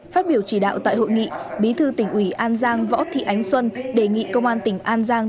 phát biểu chỉ đạo tại hội nghị bí thư tỉnh ủy an giang võ thị ánh xuân đề nghị công an tỉnh an giang